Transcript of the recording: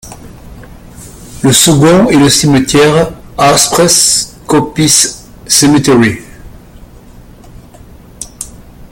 Le second est le cimetière Haspres Coppice Cemetery.